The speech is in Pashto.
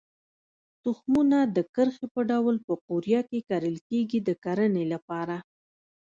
تخمونه د کرښې په ډول په قوریه کې کرل کېږي د کرنې لپاره.